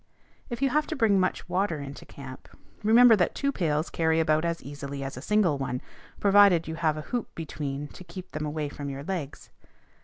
If you have to bring much water into camp, remember that two pails carry about as easily as a single one, provided you have a hoop between to keep them away from your legs.